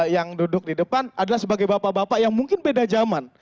yang duduk di depan adalah sebagai bapak bapak yang mungkin beda zaman